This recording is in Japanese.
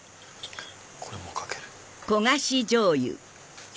これもかける。